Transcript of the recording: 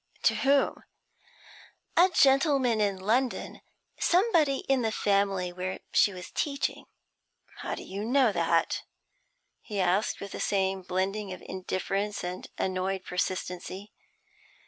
'To whom?' 'A gentleman in London somebody in the family where she was teaching.' 'How do you know that?' he asked, with the same blending of indifference and annoyed persistency.